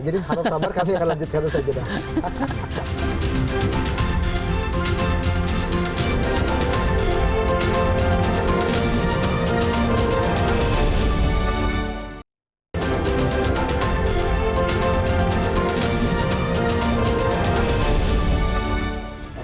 jadi harus sabar kami akan lanjutkan usha jeddah